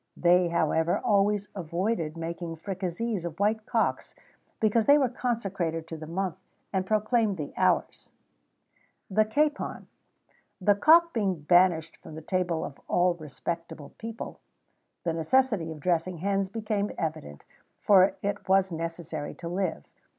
They, however, always avoided making fricassees of white cocks, because they were consecrated to the month, and proclaimed the hours.[XVII 11] THE CAPON. The cock being banished from the table of all respectable people, the necessity of dressing hens became evident, for it was necessary to live.